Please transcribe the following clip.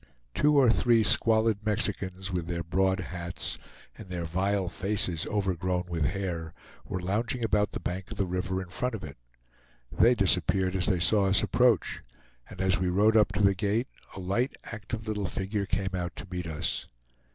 Two or three squalid Mexicans, with their broad hats, and their vile faces overgrown with hair, were lounging about the bank of the river in front of it. They disappeared as they saw us approach; and as we rode up to the gate a light active little figure came out to meet us.